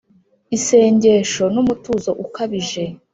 isengesho n’umutuzo ukabije